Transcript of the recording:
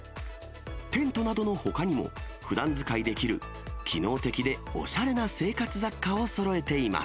テントなどのほかにも、ふだん使いできる機能的でおしゃれな生活雑貨をそろえています。